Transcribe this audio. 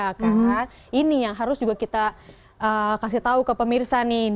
karena ini yang harus kita kasih tau ke pemirsa nih